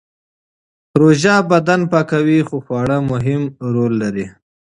روژه بدن پاکوي خو خواړه مهم رول لري.